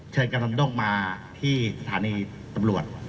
เชิญกำนันดงมาที่สถานีตำรวจ